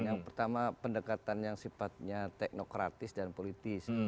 yang pertama pendekatan yang sifatnya teknokratis dan politis